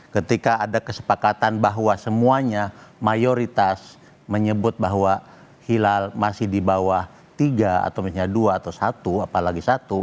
ketika ada kesepakatan bahwa semuanya mayoritas menyebut bahwa hilal masih di bawah tiga atau misalnya dua atau satu apalagi satu